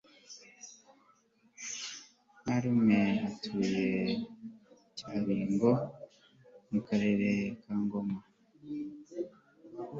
marume atuye i cyabingo mukarere kangoma